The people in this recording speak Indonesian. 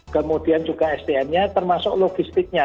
kemudian juga sdm nya termasuk logistiknya